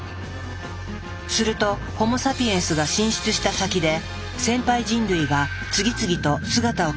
するとホモ・サピエンスが進出した先で先輩人類が次々と姿を消していったのだ。